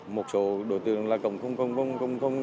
một số đối tượng là không